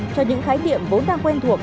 cho những khái niệm vốn đang quen thuộc